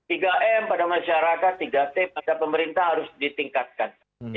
tiga m pada masyarakat tiga t pada pemerintah harus ditingkatkan